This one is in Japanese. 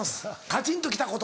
「カチンときた事」